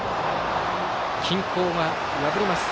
均衡が破れます。